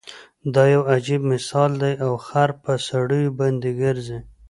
دا يو عجیب مثال دی او خر په سړیو باندې ګرځي.